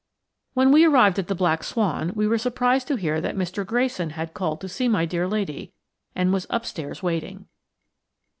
When we arrived at the "Black Swan," we were surprised to hear that Mr. Grayson had called to see my dear lady, and was upstairs waiting.